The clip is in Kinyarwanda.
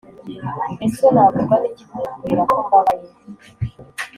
ese nabuzwa niki kukubwira ko mbabaye